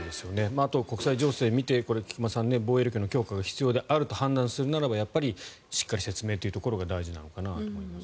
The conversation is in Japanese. あと国際情勢を見て菊間さん、防衛力の強化が必要であると判断するならばしっかり説明することが必要なのかなと。